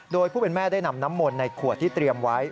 โดยผู้เป็นแม่ได้นำน้ำมนต์ในขวดที่เตรียมไว้